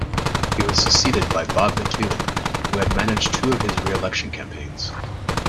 He was succeeded by Bob McEwen, who had managed two of his re-election campaigns.